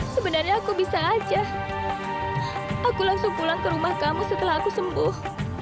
sebenarnya aku bisa aja aku langsung pulang ke rumah kamu setelah aku sembuh